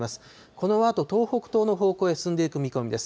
このあと、東北東の方向へ進んでいく見込みです。